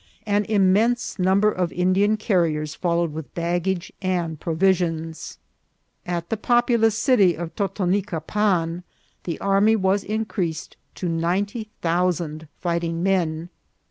An immense number of Indian carriers followed with baggage and provisions. At the populous city of Totonicapan the army was in creased to ninety thousand fighting men.